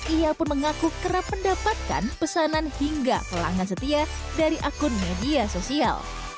ia pun mengaku kerap mendapatkan pesanan hingga pelanggan setia dari akun media sosial